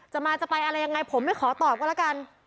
มาจะไปอะไรยังไงผมไม่ขอตอบก็แล้วกัน